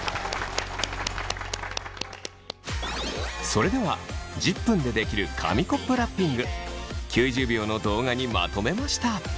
それでは１０分で出来る紙コップラッピング９０秒の動画にまとめました。